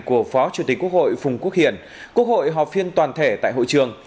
của phó chủ tịch quốc hội phùng quốc hiển quốc hội họp phiên toàn thể tại hội trường